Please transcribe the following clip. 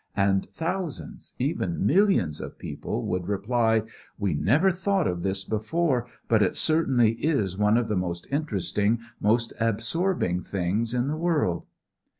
and thousands, even millions, of people would reply, "We never thought of this before, but it certainly is one of the most interesting, most absorbing things in the world."